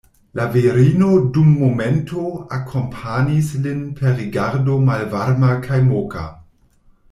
La virino dum momento akompanis lin per rigardo malvarma kaj moka.